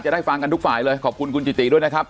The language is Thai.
ได้ฟังกันทุกฝ่ายเลยขอบคุณคุณจิติด้วยนะครับ